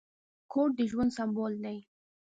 کور د ژوند سمبول دی.